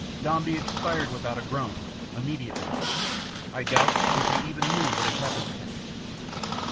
Dombey expired without a groan, immediately. I doubt if he even knew what had happened to him.